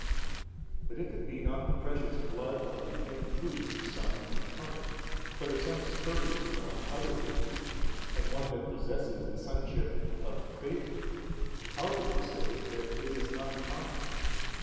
But if it be not the precious Blood of the in truth Son Incarnate but of some spurious one other than he and one that possesses the sonship of favour, how do they say that it is not common?